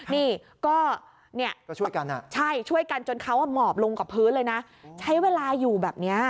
นี่ก็เนี่ยใช่ช่วยกันจนเขาหมอบลงกับพื้นเลยนะใช้เวลาอยู่แบบนี้